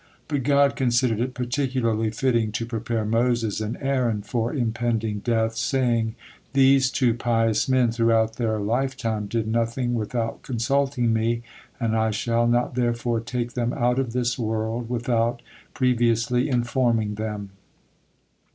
But God considered it particularly fitting to prepare Moses and Aaron for impending death, saying: "These two pious men throughout their lifetime did nothing without consulting Me, and I shall not therefore take them out of this world without previously informing them."